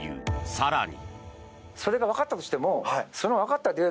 更に。